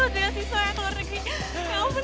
makasih ya pak amir ya